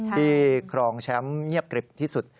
ที่ครองแคล็มเงียบกริบที่สุด